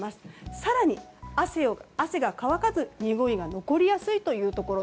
更に汗が乾かずに、においが残りやすいというところ。